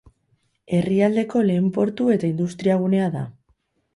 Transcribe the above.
Herrialdeko lehen portu eta industriagunea da.